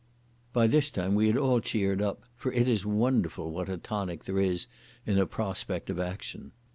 By this time we had all cheered up, for it is wonderful what a tonic there is in a prospect of action.